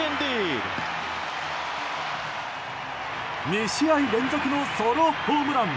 ２試合連続のソロホームラン。